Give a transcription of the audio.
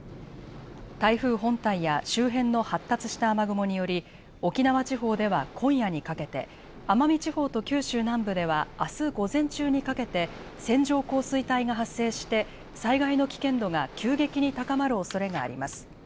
台風本体や周辺の発達した雨雲により、沖縄地方では今夜にかけて奄美地方と九州南部ではあす午前中にかけて線状降水帯が発生して災害の危険度が急激に高まるおそれがあります。